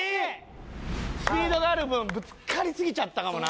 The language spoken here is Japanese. スピードがある分ぶつかりすぎちゃったかもな。